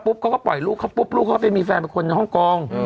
พุบลูกเขาเป็นมีแฟนเป็นคนในห้องกง